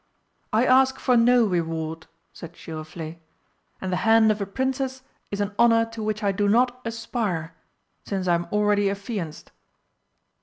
"I ask for no reward," said Giroflé. "And the hand of a Princess is an honour to which I do not aspire, since I am already affianced!"